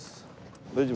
大丈夫？